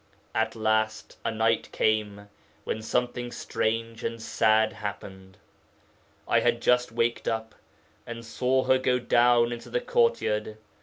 'At last, a night came when something strange and sad happened. I had just waked up, and saw her go down into the courtyard.